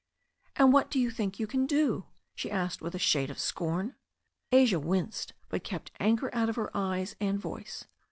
"And what do you think you can do?" she asked with a shade of scorn. A sia winced, but kept anger out of her eyes and voice.